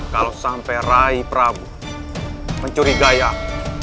kalau sampai raih prabu mencuri gayak